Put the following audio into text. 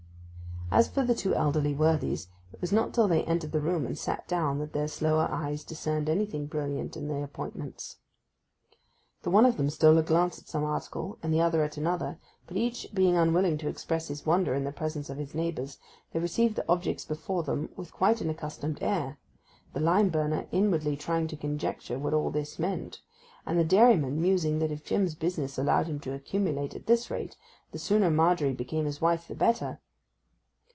As for the two elderly worthies, it was not till they entered the room and sat down that their slower eyes discerned anything brilliant in the appointments. Then one of them stole a glance at some article, and the other at another; but each being unwilling to express his wonder in the presence of his neighbours, they received the objects before them with quite an accustomed air; the lime burner inwardly trying to conjecture what all this meant, and the dairyman musing that if Jim's business allowed him to accumulate at this rate, the sooner Margery became his wife the better.